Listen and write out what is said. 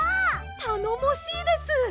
たのもしいです。